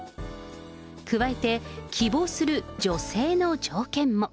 加えて希望する女性の条件も。